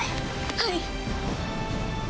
はい！